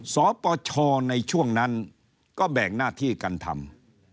สปชในช่วงนั้นก็แบ่งหน้าที่กันทำ